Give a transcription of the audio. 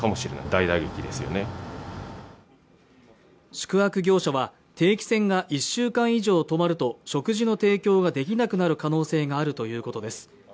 宿泊業者は定期船が１週間以上止まると食事の提供ができなくなる可能性があるということです。